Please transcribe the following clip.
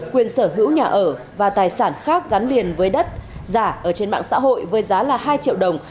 quyền sở hữu nhà ở và tài sản khác gắn liền với đất giả ở trên mạng xã hội với giá là hai triệu đồng